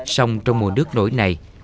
xong trong mùa nước nổi này